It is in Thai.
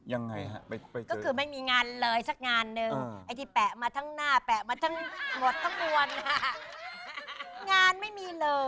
ยังไงฮะก็คือไม่มีงานเลยสักงานนึงไอ้ที่แปะมาทั้งหน้าแปะมาทั้งหมดทั้งมวลงานไม่มีเลย